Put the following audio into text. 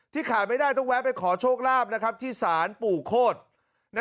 ขายไม่ได้ต้องแวะไปขอโชคลาภที่ศาลปู่โคตร